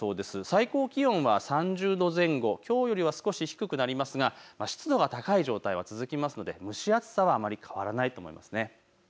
最高気温は３０度前後、きょうよりは少し低くなりますが湿度が高い状態は続きますので蒸し暑さはあまり変わらないと思います。